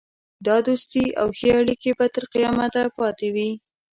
دا دوستي او ښې اړېکې به تر قیامته پاته وي.